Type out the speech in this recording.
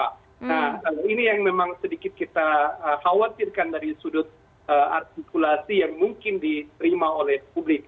nah ini yang memang sedikit kita khawatirkan dari sudut artikulasi yang mungkin diterima oleh publik